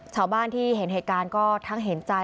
ชาวบ้านที่เห็นเหตุการณ์ก็ทั้งเห็นใจ